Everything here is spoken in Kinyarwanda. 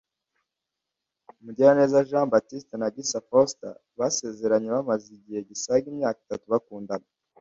Mugiraneza Jean Baptiste na Gisa Fausta basezeranye bamaze igihe gisaga imyaka itatu bakundana